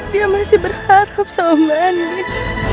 dia masih berharap sama andin